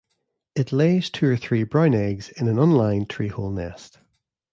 It lays two or three brown eggs in an unlined treehole nest.